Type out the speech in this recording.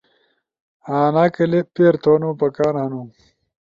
انا کلپ پیر تھونو پکار ہنو۔